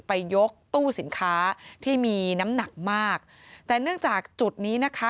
ยกตู้สินค้าที่มีน้ำหนักมากแต่เนื่องจากจุดนี้นะคะ